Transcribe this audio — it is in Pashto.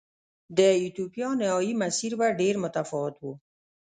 د ایتوپیا نهايي مسیر به ډېر متفاوت و.